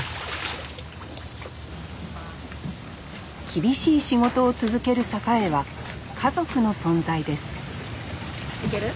厳しい仕事を続ける支えは家族の存在です行ける？